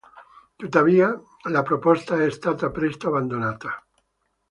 Tuttavia, la proposta è stata presto abbandonata.